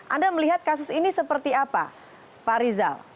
anda melihat kasus ini seperti apa pak rizal